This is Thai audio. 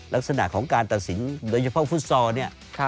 ลักษณะของการตัดสินโดยเฉพาะฟุตซอลเนี่ย